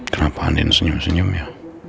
kenapa andain senyum senyum ya